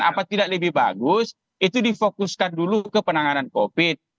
apa tidak lebih bagus itu difokuskan dulu ke penanganan covid